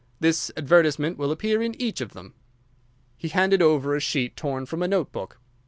This advertisement will appear in each of them." He handed over a sheet torn from a note book.